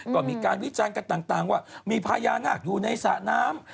ก็มีการวิจารณ์กันต่างว่ามีพญานาคอยู่ในสระน้ำ